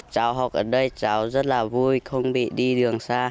cháu học ở đây cháu rất là vui không bị đi đường xa